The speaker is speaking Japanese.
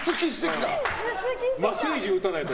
麻酔銃撃たないと。